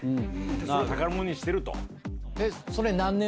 それを宝物にしてると。